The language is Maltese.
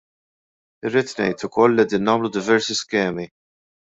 Irrid ngħid ukoll li qegħdin nagħmlu diversi skemi.